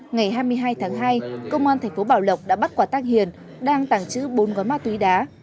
ngày hai mươi hai tháng hai công an thành phố bảo lộc đã bắt quả tăng hiền đang tàng trữ bốn gói ma túy đá